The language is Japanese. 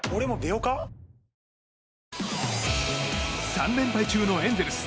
３連敗中のエンゼルス。